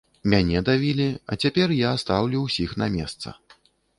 Мяне давілі, а цяпер я стаўлю ўсіх на месца.